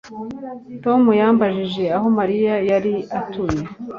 Tom yambajije aho Mariya yari atuye